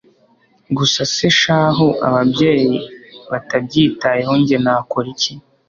gusa se shahu ababayeyi batabyitayeho njye nakoriki!